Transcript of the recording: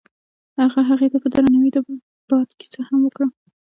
هغه هغې ته په درناوي د باد کیسه هم وکړه.